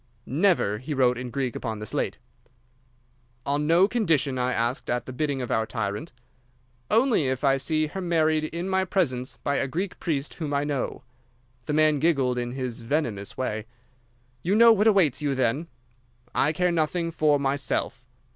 "'Never!' he wrote in Greek upon the slate. "'On no condition?' I asked, at the bidding of our tyrant. "'Only if I see her married in my presence by a Greek priest whom I know.' "The man giggled in his venomous way. "'You know what awaits you, then?' "'I care nothing for myself.